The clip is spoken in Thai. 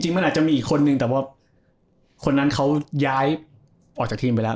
มันอาจจะมีอีกคนนึงแต่ว่าคนนั้นเขาย้ายออกจากทีมไปแล้ว